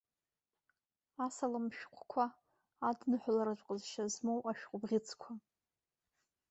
Асалам шәҟәқәа, адныҳәаларатә ҟазшьа змоу ашәҟәыбӷьыцқәа.